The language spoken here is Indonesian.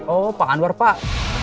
oh pak anwar pak